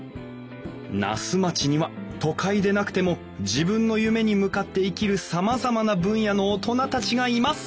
「那須町には都会でなくても自分の夢に向かって生きるさまざまな分野の大人たちがいます」。